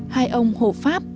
hai ông hộ pháp